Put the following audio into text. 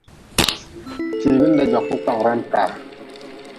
Tiibe n dagwaku kpawra-n taa.